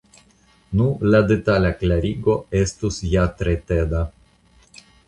Nu, la detala klarigo estus ja tre teda.